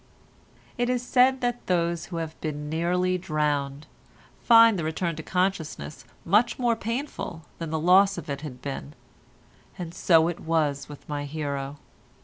It is said that those who have been nearly drowned, find the return to consciousness much more painful than the loss of it had been, and so it was with my hero.